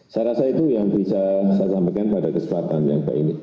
saya rasa itu yang bisa saya sampaikan pada kesempatan yang baik ini